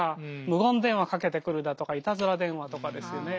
無言電話かけてくるだとかいたずら電話とかですよね。